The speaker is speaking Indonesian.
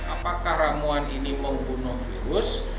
apakah ramuan ini membunuh virus